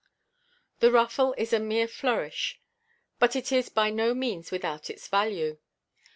The ruffle is a mere flourish, but it is by no means without its value.